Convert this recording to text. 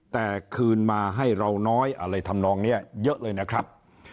แต่คืนมาให้เราน้อยอะไรทำนองนี้เยอะเลยนะครับ